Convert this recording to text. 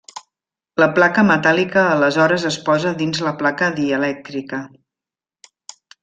La placa metàl·lica aleshores es posa dins la placa dielèctrica.